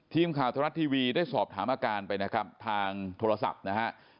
ทีมข่าวธรรมรัฐทีวีได้สอบถามอาการไปนะครับทางโทรศัพท์นะฮะ